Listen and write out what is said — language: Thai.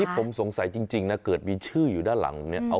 ผมสงสัยจริงนะเกิดมีชื่ออยู่ด้านหลังเนี่ย